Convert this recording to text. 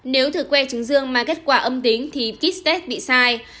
nếu thử que chứng dương mà kết quả âm tính thì kit test bị sai